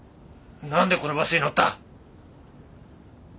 なんでこのバスに乗った？